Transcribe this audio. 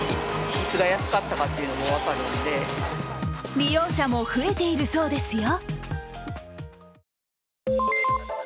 利用者も増えているそうですよ。